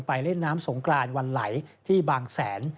เล่นน้ำสงกรานวันไหลที่บางแสน